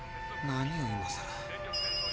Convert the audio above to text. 何を今さら。